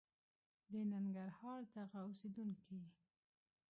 د ننګرهار دغه اوسېدونکي